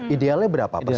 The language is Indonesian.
idealnya berapa persiapan ini